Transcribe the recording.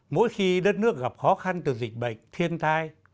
mỗi khi đất nước gặp khó khăn từ dịch bệnh thiên tai